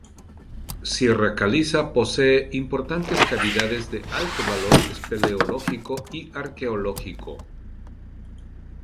Sierra caliza, posee importantes cavidades de alto valor espeleológico y arqueológico.